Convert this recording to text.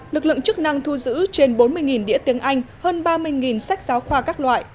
lực lượng chức năng thu giữ trên bốn mươi đĩa tiếng anh hơn ba mươi sách giáo khoa các loại